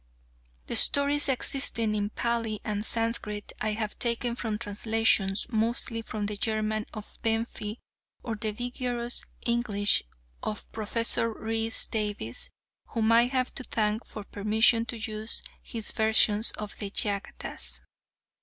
The stories existing in Pali and Sanskrit I have taken from translations, mostly from the German of Benfey or the vigorous English of Professor Rhys Davids, whom I have to thank for permission to use his versions of the Jatakas.